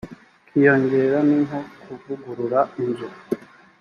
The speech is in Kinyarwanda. kiyongera ni nko kuvugurura inzu